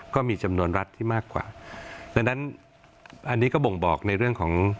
ก็มีจำนวนรัฐที่มากกว่าดังนั้นอันนี้ก็บ่งบอกในเรื่องของ